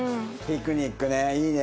ピクニックねいいね。